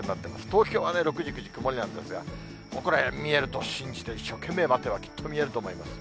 東京はね、６時、９時、曇りなんですが、ここらで見えると信じて待ってればきっと見えると思います。